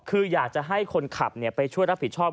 คืออยากจะให้คนขับไปช่วยรับผิดชอบ